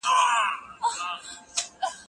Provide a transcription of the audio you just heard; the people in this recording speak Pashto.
د مقالي لومړۍ بڼه د استاد لخوا کتل کېږي.